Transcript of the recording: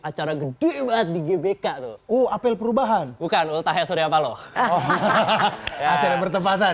acara gede banget di gbk tuh oh apel perubahan bukan ultahesori apa loh hahaha acara bertempatan